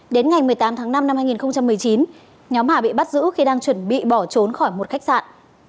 đến ngày một mươi tám tháng năm năm hai nghìn một mươi chín nhóm hà bị bắt giữ khi đang chuẩn bị bỏ trốn khỏi một khách sạn